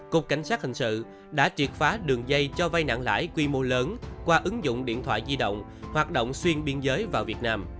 cục cảnh sát hình sự đã triệt phá đường dây cho vay nặng lãi quy mô lớn qua ứng dụng điện thoại di động hoạt động xuyên biên giới vào việt nam